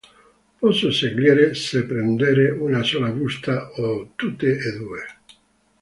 Posso scegliere se prendere una sola busta o tutte e due.